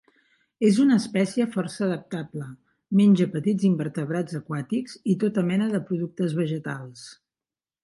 És una espècie força adaptable, menja petits invertebrats aquàtics i tota mena de productes vegetals.